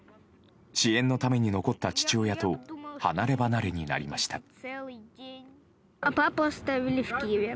支援のために残った父親と離れ離れになりました。